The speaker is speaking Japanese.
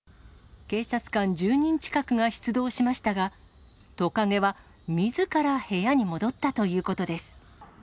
警察官１０人近くが出動しましたが、トカゲはみずから部屋に戻ったということです。